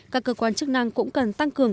các cơ quan chức năng cũng cần tăng cường